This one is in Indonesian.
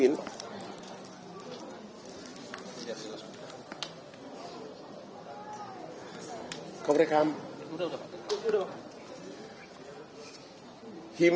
biar seluruh warganya diumumin